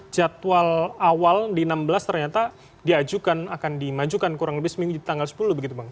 jadwal awal di enam belas ternyata diajukan akan dimajukan kurang lebih seminggu di tanggal sepuluh begitu bang